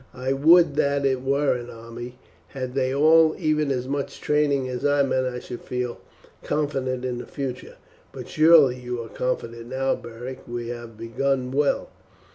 "I would that it were an army. Had they all even as much training as our men I should feel confident in the future." "But surely you are confident now, Beric; we have begun well."